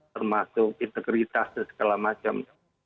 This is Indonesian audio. termasuk integritas dan segala macam